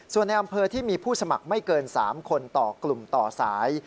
ส่วนในอำเภอที่มีผู้สมัครไม่เกิน๓คนต่อกลุ่มต่อสาย